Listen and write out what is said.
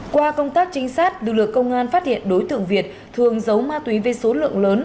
qua công tác trinh sát lực lượng công an phát hiện đối tượng việt thường giấu ma túy với số lượng lớn